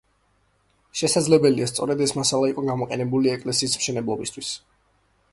შესაძლებელია სწორედ ეს მასალა იყო გამოყენებული ეკლესიის მშენებლობისათვის.